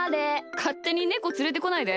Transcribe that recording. かってにネコつれてこないで。